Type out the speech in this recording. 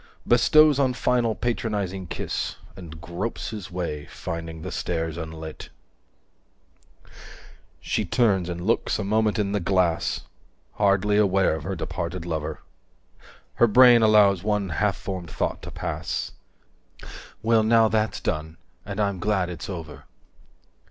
Bestows one final patronizing kiss, And gropes his way, finding the stairs unlit… She turns and looks a moment in the glass, Hardly aware of her departed lover; 250 Her brain allows one half formed thought to pass: "Well now that's done: and I'm glad it's over."